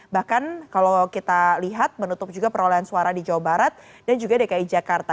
bahkan kalau kita lihat menutup juga perolehan suara di jawa barat dan juga dki jakarta